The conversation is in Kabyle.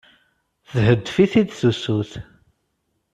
Theddef-it-id tusut.